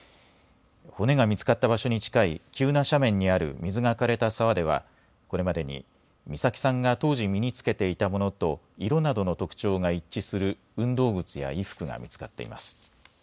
骨が見つかった場所に近い急な斜面にある水がかれた沢ではこれまでに美咲さんが当時身に着けていたものと色などの特徴が一致する運動靴や衣服が見つかっています。